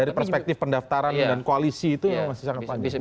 dari perspektif pendaftaran dan koalisi itu memang masih sangat panjang